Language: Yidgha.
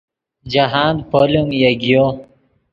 جاہند پولیم یگیو